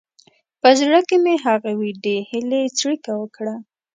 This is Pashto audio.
په زړه کې مې هغه وېډې هیلې څړیکه وکړه.